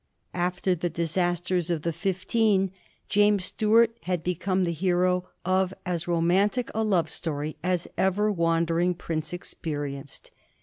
After the disasters of the Fifteen, James Stuart had become the hero of as romantic a love story as ever wandering prince experienced.